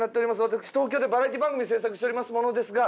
私東京でバラエティー番組制作しております者ですが。